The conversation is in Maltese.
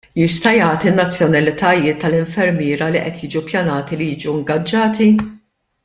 Jista' jagħti n-nazzjonalitajiet tal-infermiera li qed jiġu ppjanati li jiġu ingaġġati?